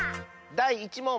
だい１もん！